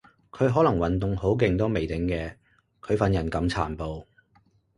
佢可能運動好勁都未定嘅，佢份人咁殘暴